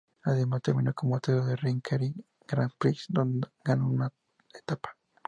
Además terminó tercero del Ringerike Grand Prix donde ganó una etapa.